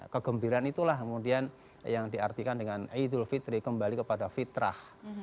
kegembiraan itulah kemudian yang diartikan dengan idul fitri kembali kepada fitrah